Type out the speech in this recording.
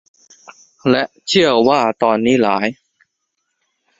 และเชื่อว่าตอนนี้หลาย